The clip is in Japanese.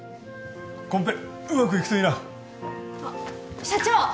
コンペうまくいくといいなあっ社長！